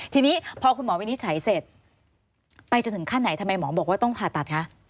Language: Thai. ทีนี้พอคุณหมอวินิจฉัยเสร็จไปจะถึงขั้นไหนทำไมหมอบอกว่าต้องผ่าตัดคะ